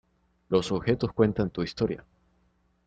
Los objetos cuentan tu historia".